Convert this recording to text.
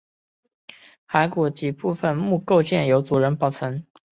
骸骨及部分墓构件由族人保存。